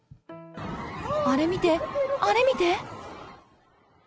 あれ見て、あれ見て。